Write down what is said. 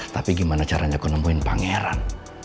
tapi gimana caranya aku nemuin pangeran